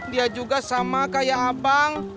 dia juga sama kayak abang